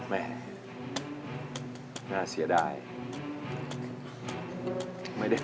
แม่น่าเสียดาย